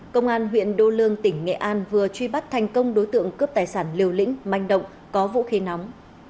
công an huyện đô lương tỉnh nghệ an vừa truy bắt thành công đối tượng cướp tài sản liều lĩnh manh động có vũ khí nóng